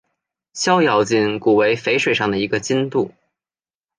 逍遥津古为淝水上的一个津渡。